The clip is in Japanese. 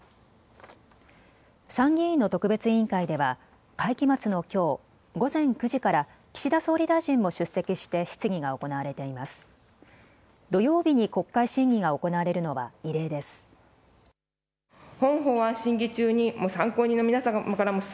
参議院の特別委員会では会期末のきょう、午前９時から岸田総理大臣も出席して質疑が行われています。